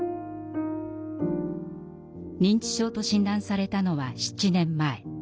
認知症と診断されたのは７年前。